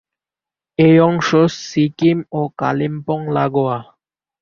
এই অংশ সিকিম ও কালিম্পং লাগোয়া।